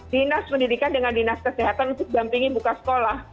dinas pendidikan dengan dinas kesehatan untuk dampingi buka sekolah